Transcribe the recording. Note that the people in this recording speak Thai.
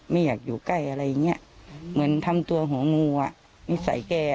ไม่อยากอยู่ใกล้อะไรอย่างเงี้ยเหมือนทำตัวหัวงูอ่ะนิสัยแก